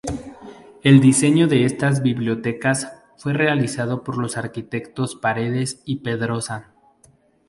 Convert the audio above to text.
El diseño de estas "bibliotecas" fue realizado por los arquitectos Paredes y Pedrosa.